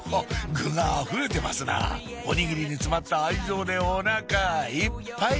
具があふれてますなおにぎりに詰まった愛情でおなかいっぱい！